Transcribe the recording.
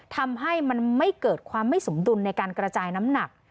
ทำให้มันไม่เกิดความไม่สมดุลในการกระจายน้ำหนัก